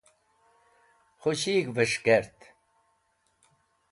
Khũshig̃h’ves̃h kert.